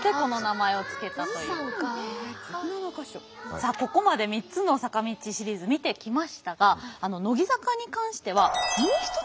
さあここまで３つの坂道シリーズ見てきましたが乃木坂に関してはもう一つ